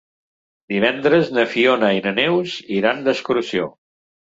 Divendres na Fiona i na Neus iran d'excursió.